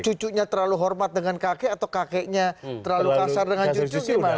cucunya terlalu hormat dengan kakek atau kakeknya terlalu kasar dengan cucu gimana